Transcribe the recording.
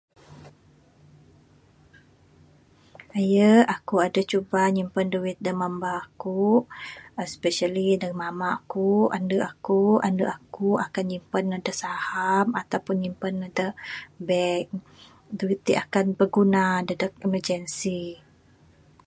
Ayu, akuk aduh cuba nyimpan duit da mamba akuk, especially da mama kuk. Andu akuk, andu akuk akan nyimpan ne da saham atau pun nyimpan ne da bank. Duit tik akan beguna dadeg emergency.